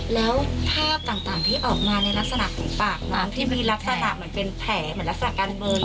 แล้วภาพต่างที่ออกมาในลักษณะของปากน้ำที่มีลักษณะเหมือนเป็นแผลเหมือนลักษณะการเมือง